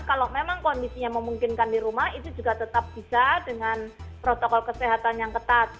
kalau memang kondisinya memungkinkan di rumah itu juga tetap bisa dengan protokol kesehatan yang ketat